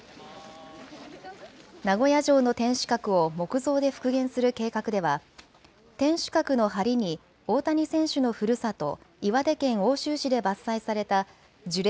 名古屋城の天守閣を木造で復元する計画では天守閣のはりに大谷選手のふるさと、岩手県奥州市で伐採された樹齢